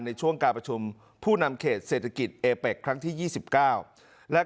ในช่วงการประชุมผู้นำเขตเศรษฐกิจครั้งที่ยี่สิบเก้า